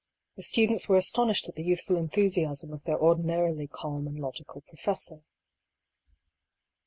The students were astonished at the youthful enthusiasm of their ordinarily calm and logical professor.